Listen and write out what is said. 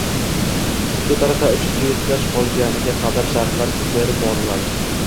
Shu tariqa uch duyetdosh qolguniga qadar shartlar berib boriladi.